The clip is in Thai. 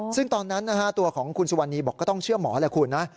ซึ่งตอนนั้นตัวของคุณสุวรรณีบอกก็ต้องเชื่อหมอแหละคุณนะ